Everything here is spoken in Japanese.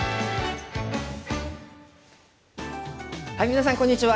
皆さんこんにちは。